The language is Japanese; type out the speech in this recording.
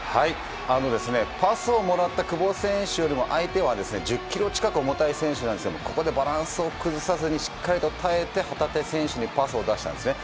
パスをもらった久保選手よりも相手は１０ｋｇ近く重たい選手なんですがここでバランスを崩さずにしっかりと耐えて旗手選手にパスを出したんですね。